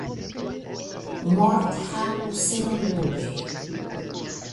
Morthaku senindulge!